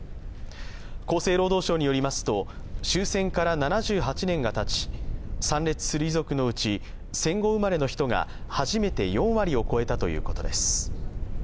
厚生労働省によりますと終戦から７８年がたち参列する遺族のうち戦後生まれの人が、初めて４割を超えたということです。